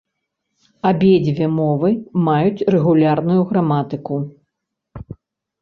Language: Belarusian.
Абедзве мовы маюць рэгулярную граматыку.